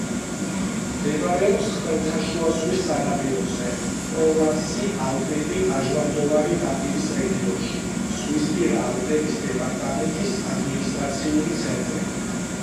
მდებარეობს ხმელთაშუა ზღვის სანაპიროზე, პროვანსი-ალპები-ლაჟვარდოვანი ნაპირის რეგიონში; ზღვისპირა ალპების დეპარტამენტის ადმინისტრაციული ცენტრი.